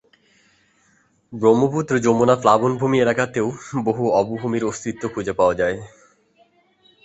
ব্রহ্মপুত্র-যমুনা প্লাবনভূমি এলাকাতেও বহু অবভূমির অস্তিত্ব খুঁজে পাওয়া যায়।